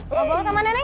mau bohong sama nenek